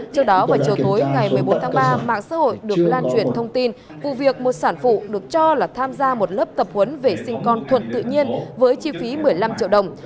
trước đó vào chiều tối ngày một mươi bốn tháng ba mạng xã hội được lan truyền thông tin vụ việc một sản phụ được cho là tham gia một lớp tập huấn về sinh con thuận tự nhiên với chi phí một mươi năm triệu đồng